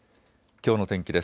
きょうの天気です。